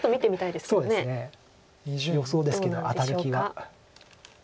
予想ですけど当たる気が。